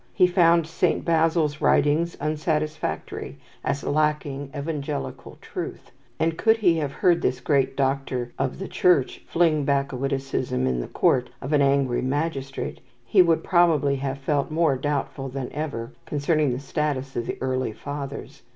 He found Saint Basil's writings unsatisfactory, as lacking "evangelical truth"; and, could he have heard this great doctor of the Church fling back a witticism in the court of an angry magistrate, he would probably have felt more doubtful than ever concerning the status of the early Fathers.